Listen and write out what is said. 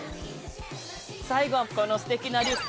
最後はこのすてきなリュック！